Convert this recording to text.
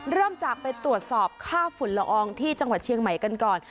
เริ่มจากไปตรวจสอบค่าฝุ่นละอองที่จังหวัดเชียงใหม่กันก่อน